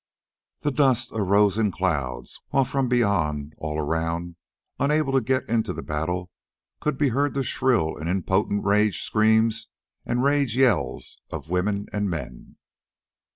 The dust arose in clouds, while from beyond, all around, unable to get into the battle, could be heard the shrill and impotent rage screams and rage yells of women and men.